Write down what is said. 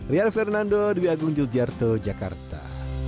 rial fernando dwi agung yul jarto jakarta